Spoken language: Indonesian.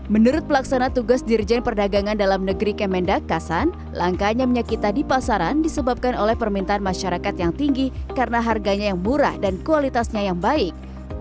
menurut pelaksana tugas dirjen perdagangan dalam negeri kemendak kasan langkanya minyak kita di pasaran disebabkan oleh permintaan masyarakat yang tinggi karena harganya yang murah dan kualitasnya yang baik